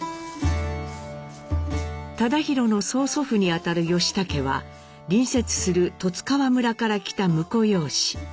忠宏の曽祖父にあたる義武は隣接する十津川村から来た婿養子。